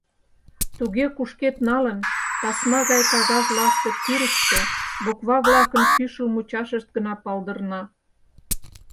— туге кушкед налын, тасма гай кагаз ластык тӱрыштӧ буква-влакын кӱшыл мучашышт гына палдырна.